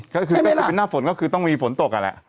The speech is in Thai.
ก็คือเป็นหน้าฝนก็คือต้องมีฝนตกอ่ะแหละ